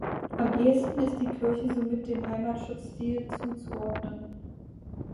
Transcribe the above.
Am ehesten ist die Kirche somit dem Heimatschutzstil zuzuordnen.